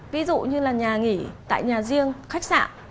ví dụ như là nhà nghỉ tại nhà riêng khách sạn